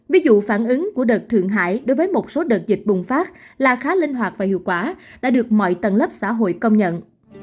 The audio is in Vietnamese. ví dụ phản ứng của đợt thượng hải đối với một số đợt dịch bùng phát là khá linh hoạt và hiệu quả đã được mọi tầng lớp xã hội công nhận